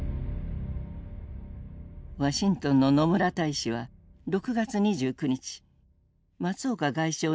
ワシントンの野村大使は６月２９日松岡外相に宛て打電した。